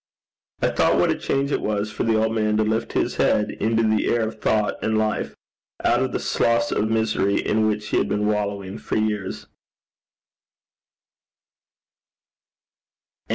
I thought what a change it was for the old man to lift his head into the air of thought and life, out of the sloughs of misery in which he had been wallowing for years.